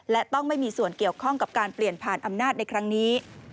และต้องไม่มีส่วนเกี่ยวข้องกับการเปลี่ยนผ่านอำนาจในครั้งนี้